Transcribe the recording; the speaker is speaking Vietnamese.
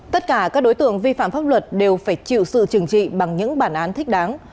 tất cả các đối tượng vi phạm pháp luật đều phải chịu sự trừng trị bằng những bản án thích đáng